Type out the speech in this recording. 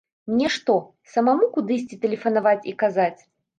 Мне што, самому кудысьці тэлефанаваць і казаць?